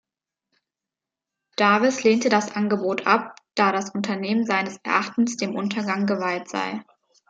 Davis lehnte das Angebot ab, da das Unternehmen seines Erachtens „dem Untergang geweiht“ sei.